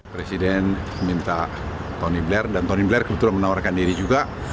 presiden minta tony blair dan tony blair kebetulan menawarkan diri juga